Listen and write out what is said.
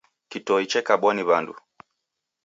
Kitoi chekabwa ni w'andu.